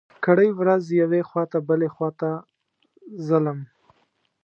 کرۍ ورځ يوې خوا ته بلې خوا ته ځلم.